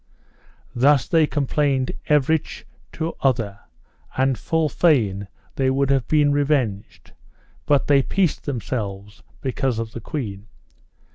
Thus they complained everych to other; and full fain they would have been revenged, but they peaced themselves because of the queen.